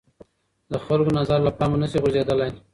د خلکو نظر له پامه نه شي غورځېدلای